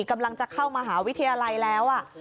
กำลังจะเข้ามหาวิทยาลัยแล้ว